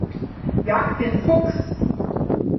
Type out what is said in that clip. Jagt den Fuchs!